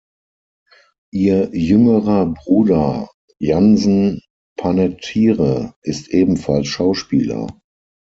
Ihr jüngerer Bruder Jansen Panettiere ist ebenfalls Schauspieler.